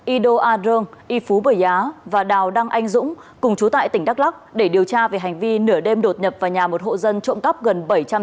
ido arong iphu bởi á và đào đăng anh dũng cùng chú tại tỉnh đắk lắk để điều tra về hành vi nửa đêm đột nhập vào nhà một hộ dân trộm cắp gần bảy trăm linh triệu đồng